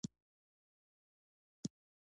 زه مار یم، زه د منطق مار یم، ته یې سره یو ځای کوې.